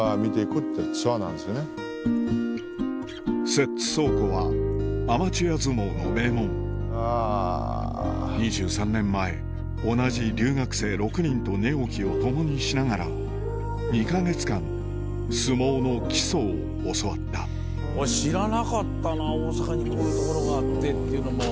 摂津倉庫はアマチュア相撲の名門２３年前同じ留学生６人と寝起きを共にしながら２か月間相撲の基礎を教わった知らなかったな大阪にこういう所があってっていうのも。